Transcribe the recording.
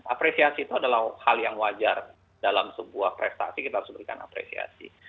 apresiasi itu adalah hal yang wajar dalam sebuah prestasi kita harus berikan apresiasi